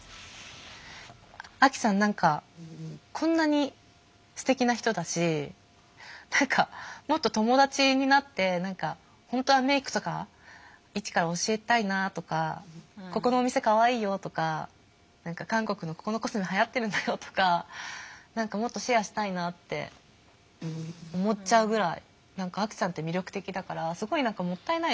アキさん何かこんなにすてきな人だし何かもっと友だちになって何か本当はメイクとか一から教えたいなあとかここのお店かわいいよとか何か韓国のここのコスメはやってるんだよとか何かもっとシェアしたいなって思っちゃうぐらい何かアキさんって魅力的だからすごい何かもったいないなと思う。